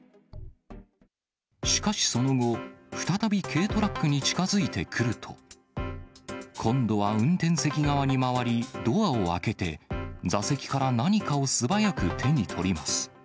しかしその後、再び軽トラックに近づいてくると、今度は運転席側に回り、ドアを開けて、座席から何かを素早く手に取ります。